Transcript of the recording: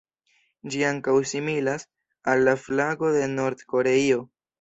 Ĝi ankaŭ similas al la flago de Nord-Koreio.